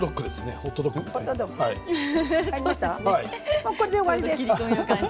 もうこれで終わりです。